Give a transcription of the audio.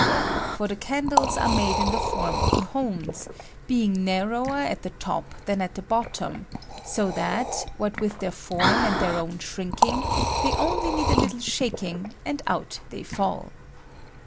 ble, for the candles are made in the form eones, being narrower at the top than at the bottom ; BO that, what with their form and their own shrinking, they only need a little shaMng and out they fall.